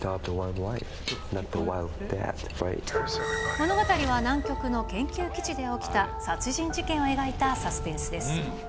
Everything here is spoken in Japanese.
物語は南極の研究基地で起きた殺人事件を描いたサスペンスです。